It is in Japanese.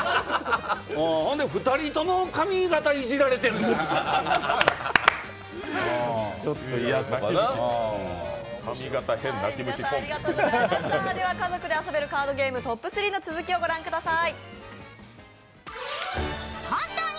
ほんで２人とも髪形いじられてるし家族で遊べるカードゲームトップ３の続きをご覧ください。